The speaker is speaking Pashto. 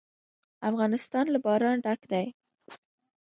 افغانستان له باران ډک دی.